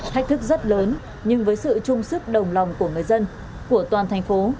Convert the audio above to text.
thách thức rất lớn nhưng với sự trung sức đồng lòng của người dân của toàn thành phố